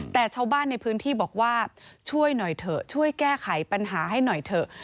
แต่ชาวบ้านในพื้นที่บอกว่าช่วยหน่อยเถอะช่วยแก้ไขปัญหาให้หน่อยเถอะ